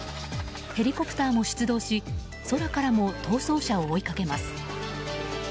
ヘリコプターも出動し空からも逃走車を追いかけます。